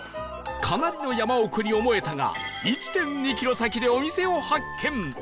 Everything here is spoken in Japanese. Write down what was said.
かなりの山奥に思えたが １．２ キロ先でお店を発見！